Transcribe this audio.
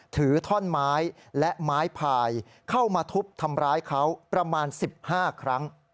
ถือท่อนไม้และไม้พายเข้ามาทุบทำร้ายเขาประมาณ๑๕ครั้ง